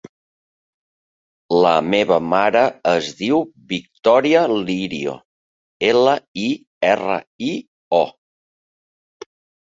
La meva mare es diu Victòria Lirio: ela, i, erra, i, o.